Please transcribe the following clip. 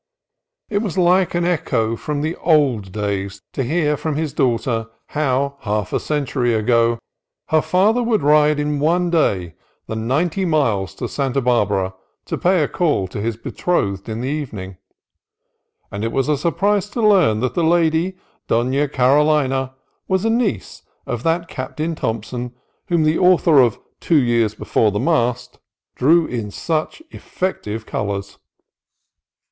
It was like an i 4 2 CALIFORNIA COAST TRAILS echo from the old days to hear from his daughter how, half a century ago, her father would ride in one day the ninety miles to Santa Barbara to pay a call to his betrothed in the evening. And it was a surprise to learn that the lady, Dona Carolina, was a niece of that Captain Thompson whom the author of "Two Years Before the Mast" drew in such effec tive colors.